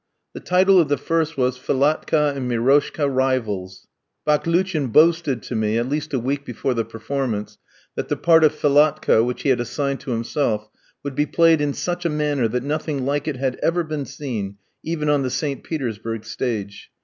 The title of the first was Philatka and Miroshka Rivals. Baklouchin boasted to me, at least a week before the performance, that the part of Philatka, which he had assigned to himself, would be played in such a manner that nothing like it had ever been seen, even on the St. Petersburg stage.